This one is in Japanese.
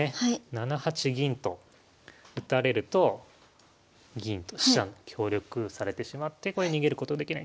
７八銀と打たれると銀と飛車が協力されてしまって逃げることできない。